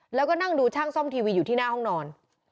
แล้วก็นั่งดูช่างซ่อมทีวีอยู่ที่หน้าห้องนอน